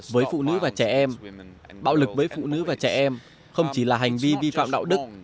với phụ nữ và trẻ em bạo lực với phụ nữ và trẻ em không chỉ là hành vi vi phạm đạo đức